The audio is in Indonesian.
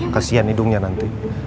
kasihan hidungnya nanti